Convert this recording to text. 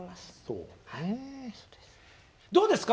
どうですか？